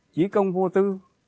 chí công vô tư